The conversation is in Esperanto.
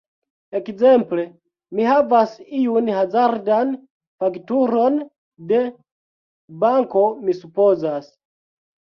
Ekzemple: mi havas iun hazardan fakturon de... banko mi supozas.